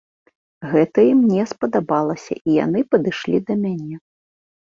Гэта ім не спадабалася, яны падышлі да мяне.